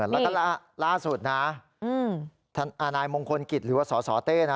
แล้วก็ล่าสุดนะนายมงคลกิจหรือว่าสสเต้นะ